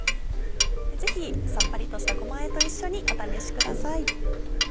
ぜひさっぱりとしたごまあえと一緒にお試しください。